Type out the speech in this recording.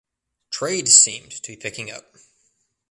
Trade seemed to be picking up.